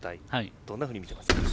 どんなふうに見てますか？